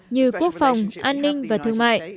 như quốc phòng an ninh và thương mại